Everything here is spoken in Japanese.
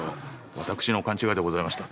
私の勘違いでございました。